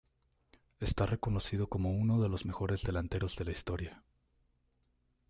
Está reconocido como uno de los mejores delanteros de la historia.